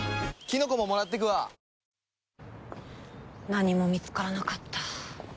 何も見つからなかった。